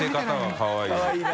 かわいいな。